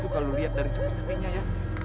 kalau lihat dari sepenuhnya ya